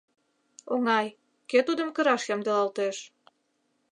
Оҥай, кӧ тудым кыраш ямдылалтеш?